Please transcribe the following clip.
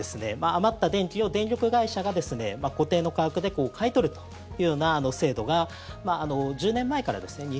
余った電気を、電力会社が固定の価格で買い取るというような制度が１０年前からですね